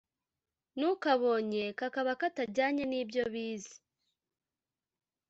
n’ukabonye kakaba katajyanye n’ibyo bize